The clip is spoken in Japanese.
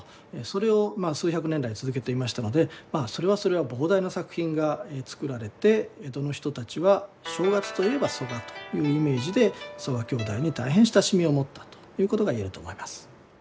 それを数百年来続けていましたのでそれはそれは膨大な作品が作られて江戸の人たちは「正月といえば曽我」というイメージで曽我兄弟に大変親しみを持ったということが言えると思います。